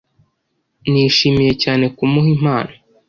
Nishimiye cyane kumuha impano